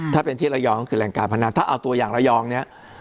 ถ้าเป็นที่ระยองก็คือแหล่งการพนันถ้าเอาตัวอย่างระยองเนี่ย